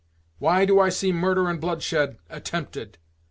why do I see murder and blood shed attempted?